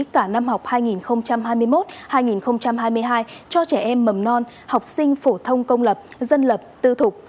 cả năm học hai nghìn hai mươi một hai nghìn hai mươi hai cho trẻ em mầm non học sinh phổ thông công lập dân lập tư thục